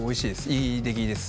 いい出来です。